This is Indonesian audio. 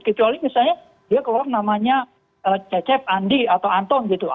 kecuali misalnya dia keluar namanya cecep andi atau anton gitu